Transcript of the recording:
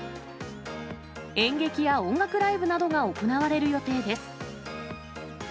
演劇や音楽ライブなどが行われる予定です。